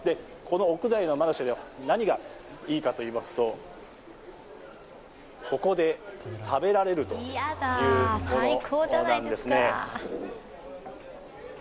屋内のマルシェで何がいいかといいますと、ここで食べられるというものなんですね。